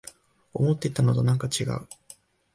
思ってたのとなんかちがう